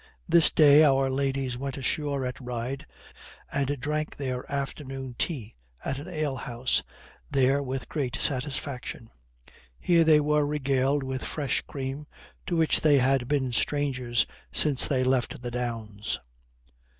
This day our ladies went ashore at Ryde, and drank their afternoon tea at an ale house there with great satisfaction: here they were regaled with fresh cream, to which they had been strangers since they left the Downs.